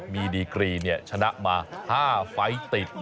มีดีกรีชนะมา๕ไฟติดแล้ว